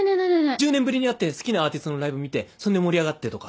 １０年ぶりに会って好きなアーティストのライブ見てそんで盛り上がってとか。